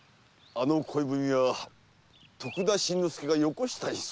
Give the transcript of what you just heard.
あの恋文は徳田新之助が寄こしたに相違ないと。